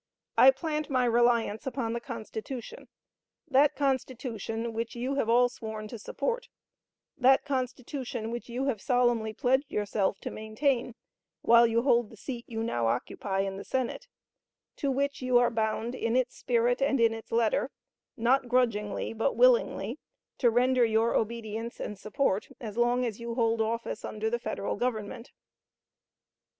I plant my reliance upon the Constitution; that Constitution which you have all sworn to support; that Constitution which you have solemnly pledged yourself to maintain while you hold the seat you now occupy in the Senate; to which you are bound in its spirit and in its letter, not grudgingly, but willingly, to render your obedience and support as long as you hold office under the Federal Government.